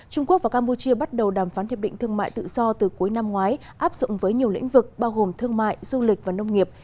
trung quốc và campuchia bắt đầu đàm phán hiệp định thương mại tự do từ cuối năm ngoái áp dụng với nhiều lĩnh vực bao gồm thương mại du lịch và nông nghiệp